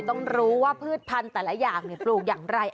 ต้องรู้ว่าพืชพันธุ์แต่ละอย่างปลูกอย่างไร